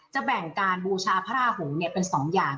แบ่งการบูชาพระราหูเป็น๒อย่าง